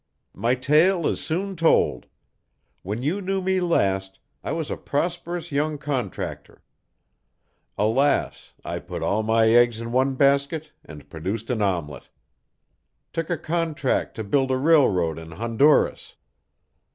My tale is soon told. When you knew me last, I was a prosperous young contractor. Alas! I put all my eggs in one basket and produced an omelet. Took a contract to build a railroad in Honduras.